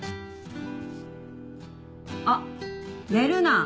あっ寝るな！